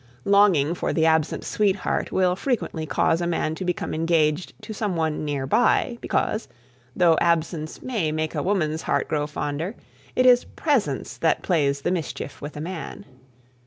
Longing for the absent sweetheart will frequently cause a man to become engaged to someone near by, because, though absence may make a woman's heart grow fonder, it is presence that plays the mischief with a man.